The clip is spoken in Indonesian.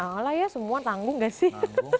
alah ya semua tanggung gak sih